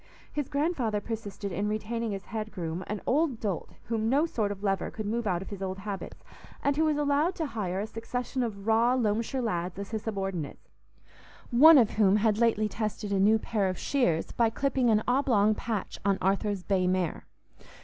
His grandfather persisted in retaining as head groom an old dolt whom no sort of lever could move out of his old habits, and who was allowed to hire a succession of raw Loamshire lads as his subordinates, one of whom had lately tested a new pair of shears by clipping an oblong patch on Arthur's bay mare.